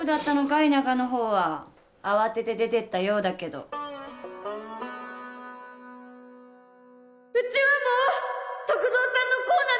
田舎の方は慌てて出てったようだけどうちはもう篤蔵さんの子なんて